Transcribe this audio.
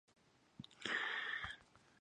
大好きって最高に幸せでポジティブな言葉だよね